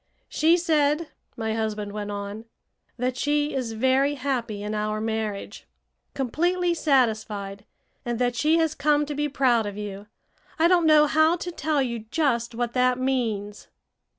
"She said," my husband went on, "that she is very happy in our marriage, completely satisfied, and that she has come to be proud of you. I don't know how to tell you just what that means."